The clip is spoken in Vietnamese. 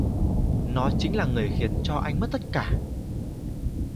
nó chính là người khiến cho anh mất tất cả